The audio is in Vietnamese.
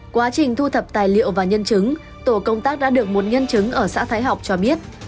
quá trình thu thập tài liệu và nhân chứng tổ công tác đã được một nhân chứng ở xã thái học cho biết